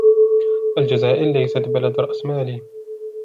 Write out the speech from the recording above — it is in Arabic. الجزائر ليست بلد رأسمالي.